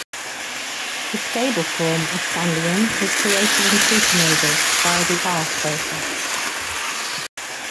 The stable form of scandium is created in supernovas via the r-process.